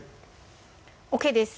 ＯＫです